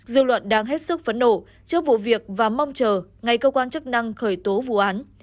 dư luận đang hết sức phấn nổ trước vụ việc và mong chờ ngày cơ quan chức năng khởi tố vụ án